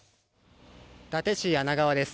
伊達市梁川です。